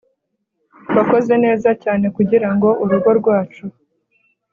wakoze neza cyane kugirango urugo rwacu